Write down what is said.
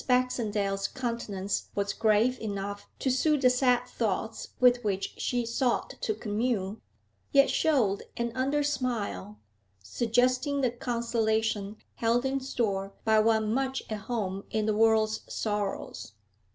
Baxendale's countenance was grave enough to suit the sad thoughts with which she sought to commune, yet showed an under smile, suggesting the consolation held in store by one much at home in the world's sorrows.